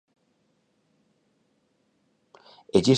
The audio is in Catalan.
Existeix àmplia informació sobre aquesta condemna?